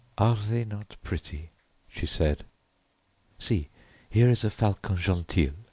"Are they not pretty?" she said. "See, here is a falcon gentil.